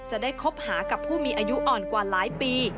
คบหากับผู้มีอายุอ่อนกว่าหลายปี